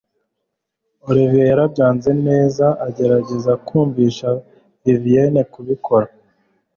Olivier yarabyanze neza agerageza kumvisha Vivien kubikora